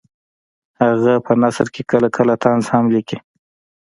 هغه په نثر کې کله کله طنز هم لیکي